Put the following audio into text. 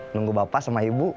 nunggu bapak sama ibu